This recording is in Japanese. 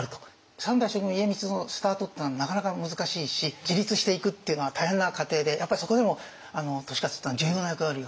三代将軍家光のスタートっていうのはなかなか難しいし自立していくっていうのは大変な過程でやっぱりそこでも利勝っていうのは重要な役割を果たしてますよね。